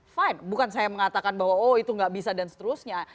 fine bukan saya mengatakan bahwa oh itu nggak bisa dan seterusnya